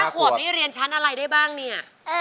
ขวบนี้เรียนชั้นอะไรได้บ้างเนี่ย